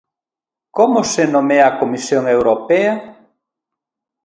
Como se nomea a Comisión Europea?